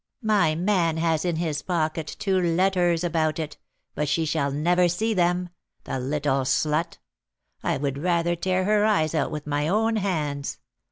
"My man has in his pocket two letters about it, but she shall never see them, the little slut! I would rather tear her eyes out with my own hands.